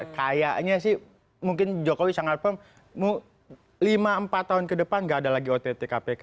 kayaknya sih mungkin jokowi sangat paham lima empat tahun ke depan nggak ada lagi ott kpk